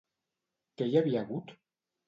Què hi havia hagut?